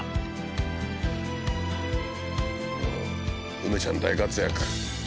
梅ちゃん大活躍。